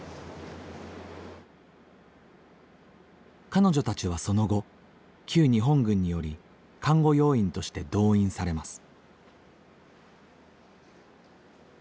彼女たちはその後旧日本軍により看護要員として動員されます。